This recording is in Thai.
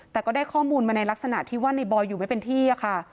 แต่ก็ได้ข้อมูลมาในลักษณะที่ว่าในบอยอยู่ไม่เป็นที่ค่ะ